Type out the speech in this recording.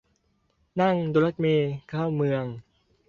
นั่งรถเมล์เข้าเมือง